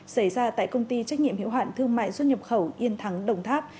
xảy ra tại công ty trách nhiệm hiệu hạn thương mại xuất nhập khẩu yên thắng đồng tháp